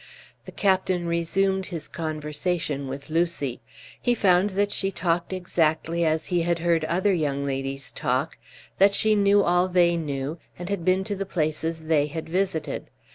The captain resumed his conversation with Lucy. He found that she talked exactly as he had heard other young ladies talk, that she knew all they knew, and had been to the places they had visited.